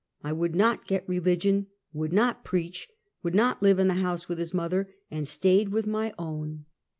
I would not get religion, would not preach, would not live in the house with his mother, and stayed with my own.